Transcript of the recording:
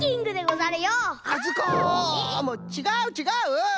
もうちがうちがう。